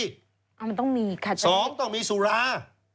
สองต้องมีสุรา